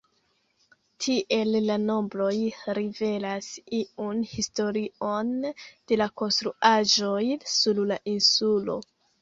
Tiel la nombroj rivelas iun historion de la konstruaĵoj sur la insulo.